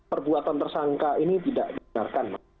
perbuatan tersangka ini tidak dibenarkan